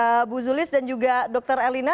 terima kasih bu zulis dan juga dr elina